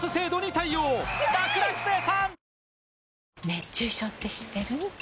熱中症って知ってる？